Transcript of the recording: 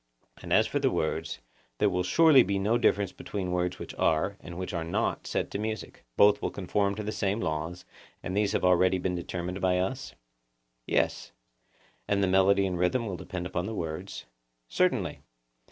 And as for the words, there will surely be no difference between words which are and which are not set to music; both will conform to the same laws, and these have been already determined by us? Yes. And the melody and rhythm will depend upon the words? Certainly.